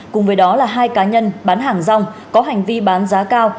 cùng với đó là hai cá nhân bán hàng rong có hành vi bán giá cao